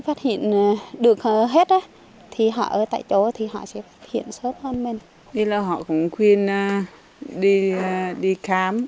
phát hiện được hết thì họ ở tại chỗ thì họ sẽ phát hiện sớm hơn mình vì là họ cũng khuyên đi khám